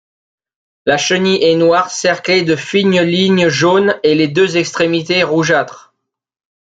La chenille est noire cerclée de fines lignes jaune et les deux extrémités rougeâtres.